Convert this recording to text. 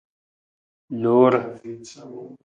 Lore.